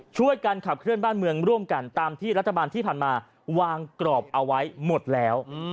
ช่วยกันขับเคลื่อนบ้านเมืองร่วมกันตามที่รัฐบาลที่ผ่านมาวางกรอบเอาไว้หมดแล้ว